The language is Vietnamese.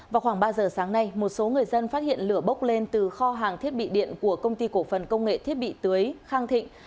vào khoảng ba giờ sáng nay một số người dân phát hiện lửa bốc lên từ kho hàng thiết bị điện của công ty cổ phần công nghệ thiết bị tưới khang thịnh